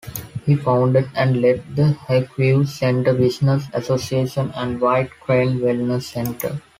He founded and led the Lakeview Center Business Association and White Crane Wellness Center.